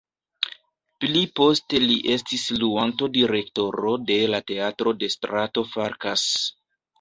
Pli poste li estis luanto-direktoro de la Teatro de strato Farkas.